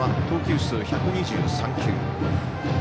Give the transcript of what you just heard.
投球数１２３球。